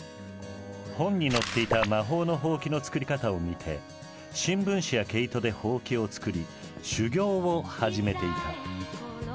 本に載っていた魔法のほうきの作り方を見て新聞紙や毛糸でほうきを作り修行を始めていた。